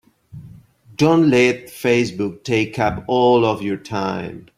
Don't let Facebook take up all of your time.